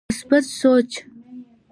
مثبت سوچ